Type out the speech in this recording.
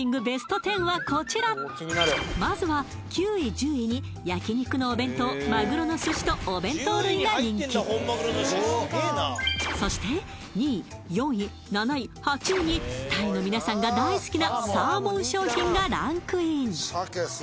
ベスト１０はこちらまずは９位１０位に焼肉のお弁当マグロの寿司とお弁当類が人気そして２位４位７位８位にタイのみなさんが大好きなサーモン商品がランクイン